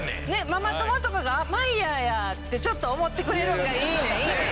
ママ友とかが「あっマイヤーや」ってちょっと思ってくれるんがいいねんいいねん。